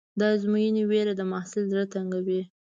د ازموینې وېره د محصل زړه تنګوي.